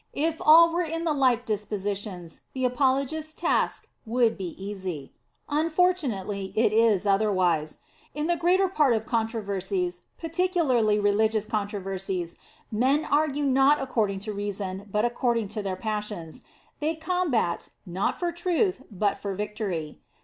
If all were in the like dispositions, the apologist s task would be easy. Unfortunately, it is otherwise. In the greater part of controversies, particularly religious controversies, men argue not ac cording to reason, but according to their passions. They combat, not for truth, but for victory.